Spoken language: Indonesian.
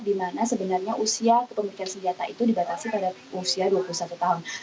di mana sebenarnya usia kepemilikan senjata itu dibatasi pada usia dua puluh satu tahun